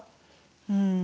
うん。